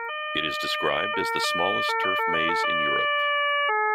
It is described as the smallest turf maze in Europe.